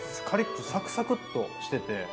カリッとサクサクッとしてて。